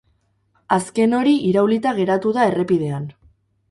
Azken hori iraulita geratu da errepidean.